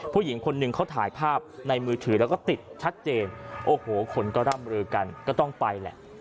ผู้หญิงคนหนึ่งเขาถ่ายภาพในมือถือแล้วก็ติดชัดเจนโอ้โหคนก็ร่ำลือกันก็ต้องไปแหละ